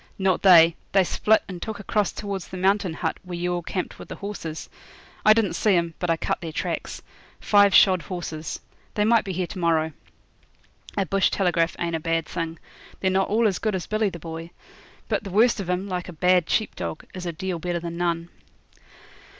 'Not they. They split and took across towards the Mountain Hut, where you all camped with the horses. I didn't see 'em; but I cut their tracks. Five shod horses. They might be here to morrow.' A bush telegraph ain't a bad thing. They're not all as good as Billy the Boy. But the worst of 'em, like a bad sheep dog, is a deal better than none.